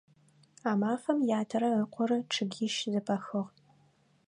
А мафэм ятэрэ ыкъорэ чъыгищ зэпахыгъ.